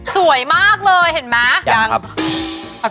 สวยมากเลยเห็นไหมอย่างงั้นครับยัง